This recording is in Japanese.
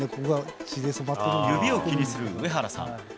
指を気にする上原さん。